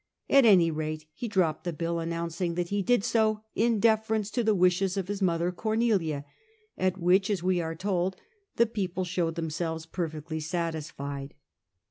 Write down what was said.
At any rate, he dropped the bill, announcing that he did so in deference to the wishes of his mother Cornelia, at which (as we are told) the people showed themselves perfectly satisfied.